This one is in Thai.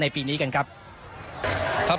ในปีนี้ไม่กันครับ